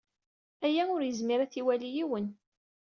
Aya ur yezmir ad t-ilawi yiwen!